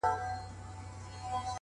وخت د هر عمل اغېز ښکاره کوي’